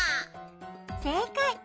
せいかい！